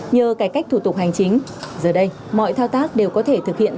nhờ cải cách thủ tục hành chính giờ đây mọi thao tác đều có thể thực hiện